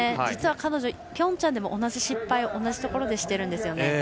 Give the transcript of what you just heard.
実は彼女、ピョンチャンでも同じ失敗を同じところでしているんです。